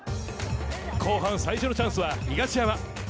後半最初のチャンスは東山。